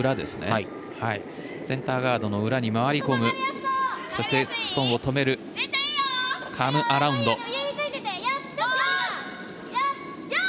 センターガードの裏に回り込む、ストーンを止めるカム・アラウンド。